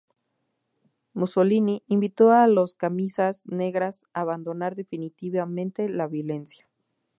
Mussolini invitó a los camisas negras a abandonar definitivamente la violencia.